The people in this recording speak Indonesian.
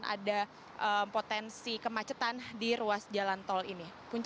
dan ada potensi kemacetan di ruas jalan tol ini